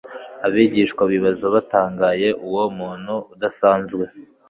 Abigishwa bibazaga batangaye uwo muntu udasanzwe,